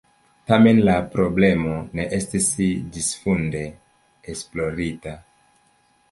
Tamen la problemo ne estis ĝisfunde esplorita.